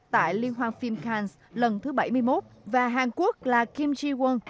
tại liên hoan phim cannes lần thứ bảy mươi một và hàn quốc là kim ji won